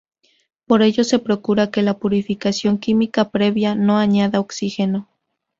Por ello se procura que la purificación química previa no añada oxígeno.